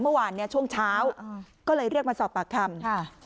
เมื่อวานเนี่ยช่วงเช้าก็เลยเรียกมาสอบปากคำค่ะ